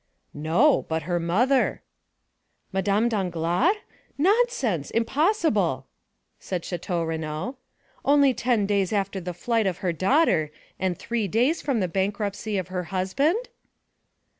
"No, but her mother." "Madame Danglars? Nonsense! Impossible!" said Château Renaud; "only ten days after the flight of her daughter, and three days from the bankruptcy of her husband?"